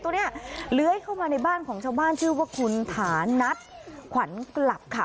ตัวนี้เลื้อยเข้ามาในบ้านของชาวบ้านชื่อว่าคุณถานัทขวัญกลับค่ะ